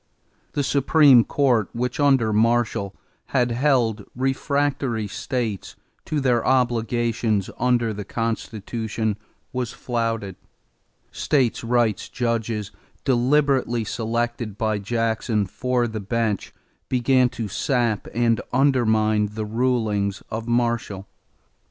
The Supreme Court, which, under Marshall, had held refractory states to their obligations under the Constitution, was flouted; states' rights judges, deliberately selected by Jackson for the bench, began to sap and undermine the rulings of Marshall.